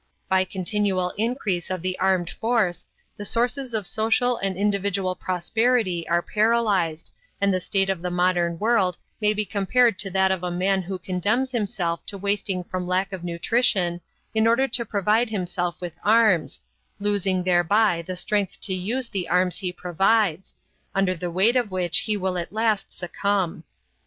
By continual increase of the armed force, the sources of social and individual prosperity are paralyzed, and the state of the modern world may be compared to that of a man who condemns himself to wasting from lack of nutrition in order to provide himself with arms, losing thereby the strength to use the arms he provides, under the weight of which he will at last succumb."